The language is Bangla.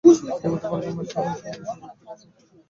ইতিমধ্যে ফাল্গুন মাসে হরসুন্দরীর সংকট পীড়া উপস্থিত হইল।